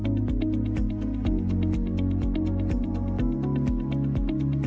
pada kegiatan ini dilakukan juga penyemprotan dengan menggunakan disinfektan organik